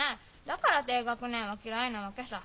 だから低学年は嫌いなわけさ。